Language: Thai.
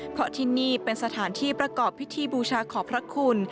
เพราะที่นี่เป็นสถานที่ประกอบพิธีบูชาขอพระคุณ